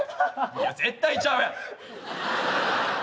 いや絶対ちゃうやろ。